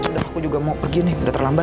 sudah aku juga mau pergi nih udah terlambat